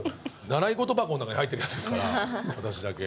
習い事箱の中に入ってるやつですから私だけ。